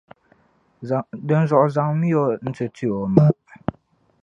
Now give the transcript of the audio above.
dinzuɣu zaŋmi ya o n-ti n ti o ma